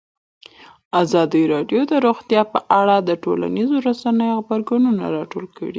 ازادي راډیو د روغتیا په اړه د ټولنیزو رسنیو غبرګونونه راټول کړي.